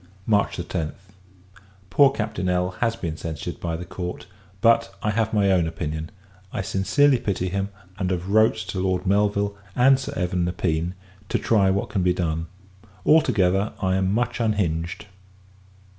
March 10th. Poor Captain L. has been censured by the court: but, I have my own opinion. I sincerely pity him; and have wrote to Lord Melville, and Sir Evan Nepean, to try what can be done. All together, I am much unhinged.